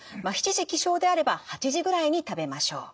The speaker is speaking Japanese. ７時起床であれば８時ぐらいに食べましょう。